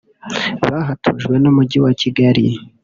bahatujwe n’Umujyi wa Kigali